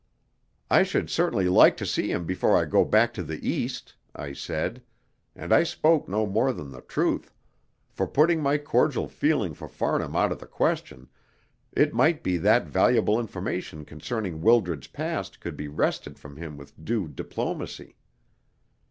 "I should certainly like to see him before I go back to the East," I said; and I spoke no more than the truth, for, putting my cordial feeling for Farnham out of the question, it might be that valuable information concerning Wildred's past could be wrested from him with due diplomacy.